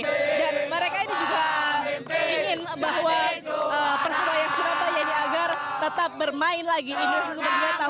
dan mereka ini juga ingin bahwa persebaya surabaya ini agar tetap bermain lagi di indonesia super league tahun dua ribu tujuh belas